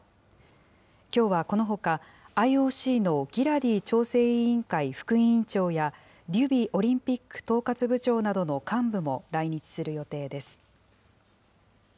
きょうはこのほか、ＩＯＣのギラディ調整委員会副委員長や、デュビオリンピック統括部長などの幹部も来日する予定です。